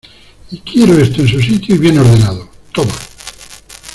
y quiero esto en su sitio y bien ordenado. ¡ toma!